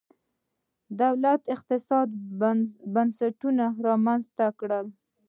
دولت اقتصادي بنسټونه رامنځته کړل.